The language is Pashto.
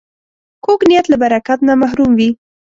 کوږ نیت له برکت نه محروم وي